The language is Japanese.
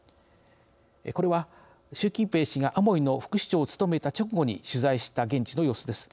これは習近平氏がアモイの副市長を務めた直後に取材した現地の様子です。